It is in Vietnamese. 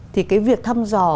thì cái việc thăm dò